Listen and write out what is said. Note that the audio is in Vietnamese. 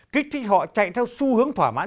kích thích họ chạy theo xu hướng thỏa mãn